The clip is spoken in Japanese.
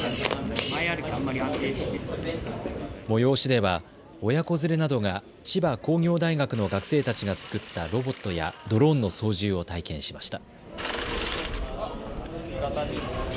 催しでは親子連れなどが千葉工業大学の学生たちが作ったロボットやドローンの操縦を体験しました。